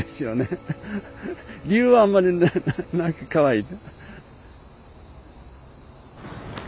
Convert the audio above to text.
理由はあんまりなくかわいい。